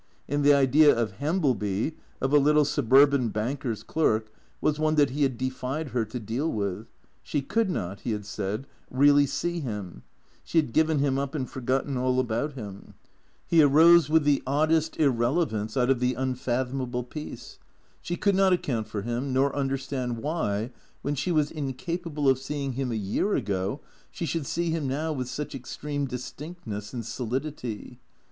And the idea of Hambleby, of a little sub urban banker's clerk, was one that he had defied her to deal with ; she could not, he had said, really see him. She had given him up and forgotten all about him. 112 THE CREATOES He arose with the oddest irrelevance out of the unfathomable peace. She could not account for him, nor understand why, when she was incapable of seeing him a year ago, she should see him now with such extreme distinctness and solidity.